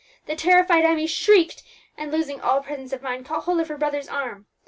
The terrified Emmie shrieked, and, losing all presence of mind, caught hold of her brother's arm.